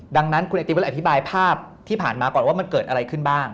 ดังนั้นคุณไอติมก็เลยอธิบายภาพที่ผ่านมาก่อนว่ามันเกิดอะไรขึ้นบ้าง